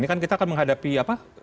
ini kan kita akan menghadapi apa